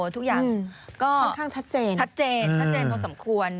ทุกอย่างก็ชัดเจนพอสมควร